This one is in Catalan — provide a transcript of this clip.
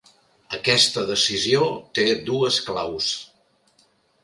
Aquesta decisió té dues claus.